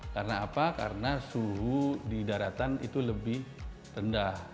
karena apa karena suhu di daratan itu lebih rendah